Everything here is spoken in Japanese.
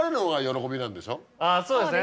そうですね。